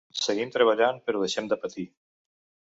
Seguim treballant, però deixem de patir.